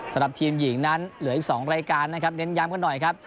สำหรับทีมหญิงนั้นเหลืออีก๒รายการนะครับเน้นย้ำกันหน่อยครับ